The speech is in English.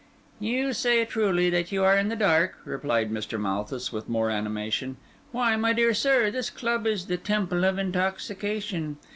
"You say truly that you are in the dark," replied Mr. Malthus with more animation. "Why, my dear sir, this club is the temple of intoxication.